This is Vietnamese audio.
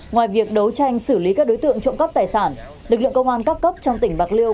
ngoài việc đấu tranh xử lý các đối tượng trộm cắp tài sản lực lượng công an các cấp trong tỉnh bạc liêu